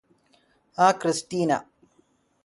ആ ക്രിസ്റ്റീന